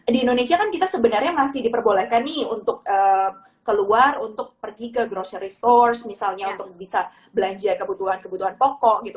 di indonesia kan kita sebenarnya masih diperbolehkan nih untuk keluar untuk pergi ke grocery store misalnya untuk bisa belanja kebutuhan kebutuhan pokok gitu